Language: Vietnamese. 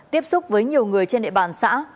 tiếp xúc với nhiều người trên địa bàn xã